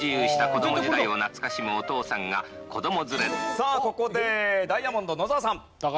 さあここでダイヤモンド野澤さん。